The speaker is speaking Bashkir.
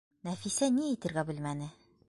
Нәфисә ни әйтергә белмәне.